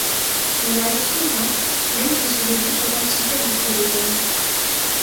Il arrive souvent même que ces égouts soient praticables pour des hommes.